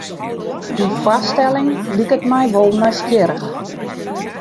Dy foarstelling liket my wol nijsgjirrich.